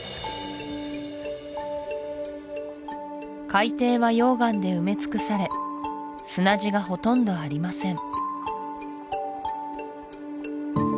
海底は溶岩で埋め尽くされ砂地がほとんどありません